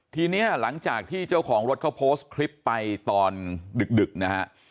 ทีนี้หลังจากที่เจ้าของรถเขาโพสต์คลิปไปตอนดึกนะฮะ